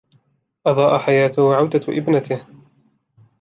أضاء حياتَه عودةُ ابنته.